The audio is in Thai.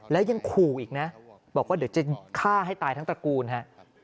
แล้วยังขู่อีกนะบอกว่าเดี๋ยวจะฆ่าให้ตายทั้งตระกูลฮะ